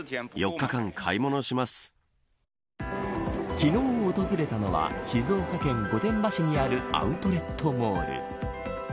昨日訪れたのは静岡県御殿場市にあるアウトレットモール。